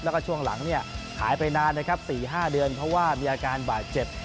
แล้วก็ช่วงหลังเนี่ยหายไปนานนะครับ๔๕เดือนเพราะว่ามีอาการบาดเจ็บ